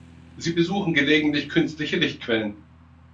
Sie besuchen gelegentlich künstliche Lichtquellen.